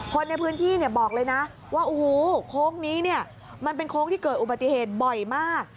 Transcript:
คนในพื้นที่บอกเลยนะว่าโอ้โหโค้งนี้เนี่ยมันเป็นโค้งที่เกิดอุบัติเหตุบ่อยมาก